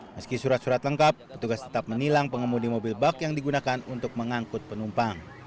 meski surat surat lengkap petugas tetap menilang pengemudi mobil bak yang digunakan untuk mengangkut penumpang